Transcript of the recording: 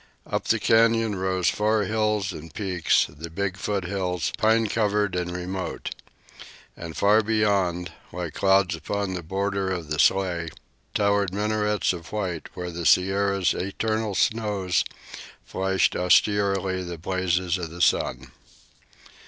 Up the canyon rose far hills and peaks, the big foothills, pine covered and remote. And far beyond, like clouds upon the border of the sky, towered minarets of white, where the Sierra's eternal snows flashed austerely the blazes of the sun.